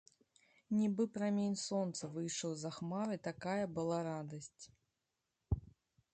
Нібы прамень сонца выйшаў з-за хмары, такая была радасць.